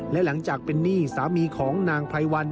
และหลังจากเป็นหนี้สามีของนางไพรวัน